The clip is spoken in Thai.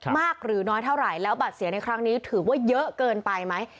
หรือน้อยเท่าไหร่แล้วบัตรเสียในครั้งนี้ถือว่าเยอะเกินไปไหม